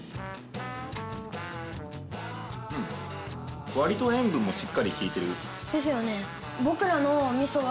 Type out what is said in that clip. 割と塩分もしっかり利いてる。ですよね。